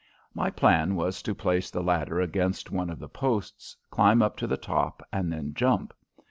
My plan was to place the ladder against one of the posts, climb up to the top, and then jump.